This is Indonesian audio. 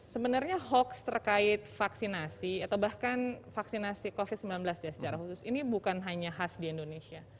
sebenarnya hoax terkait vaksinasi atau bahkan vaksinasi covid sembilan belas ya secara khusus ini bukan hanya khas di indonesia